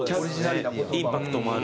インパクトもあるし。